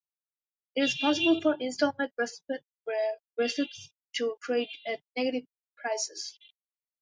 It is possible for installment receipts to trade at negative prices.